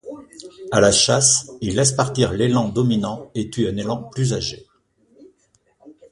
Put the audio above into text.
À la chasse, il laisse partir l'élan dominant et tue un élan plus âgé.